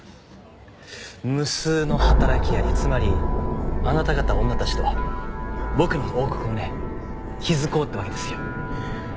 無数の働き蟻つまりあなた方女たちと僕の王国をね築こうってわけですよ。